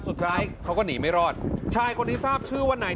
สุดท้ายเขาก็หนีไม่รอดชายคนนี้ทราบชื่อว่าไหน